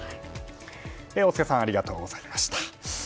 大塚さんありがとうございました。